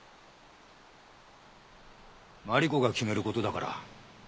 マリコが決める事だから。